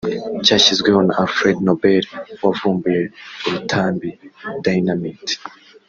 Cyashyizweho na Alfred Nobel wavumbuye urutambi (Dynamite)